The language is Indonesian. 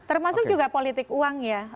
termasuk juga politik uang ya